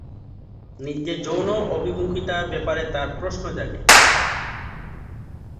নিজের যৌন অভিমুখিতার ব্যাপারে তার প্রশ্ন জাগে।